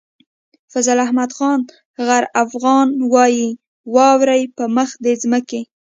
فضل احمد خان غر افغان وايي واورئ په مخ د ځمکې.